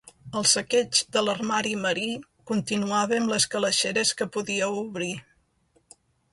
El saqueig de l'armari marí continuava amb les calaixeres que podíeu obrir.